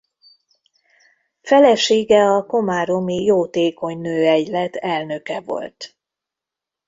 Felesége a komáromi Jótékony Nőegylet elnöke volt.